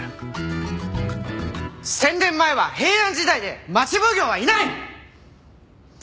１０００年前は平安時代で町奉行はいない！